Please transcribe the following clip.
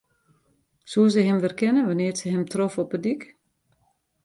Soe se him werkenne wannear't se him trof op de dyk?